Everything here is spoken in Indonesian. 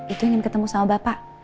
itu ingin ketemu sama bapak